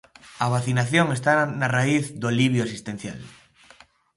A vacinación está na raíz do alivio asistencial.